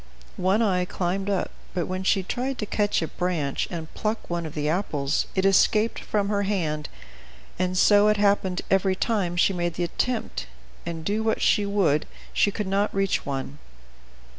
One Eye climbed up, but when she tried to catch a branch and pluck one of the apples, it escaped from her hand, and so it happened every time she made the attempt, and, do what she would, she could not reach one.